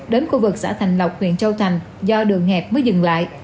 đến khu vực xã thành lộc huyện châu thành do đường hẹp mới dừng lại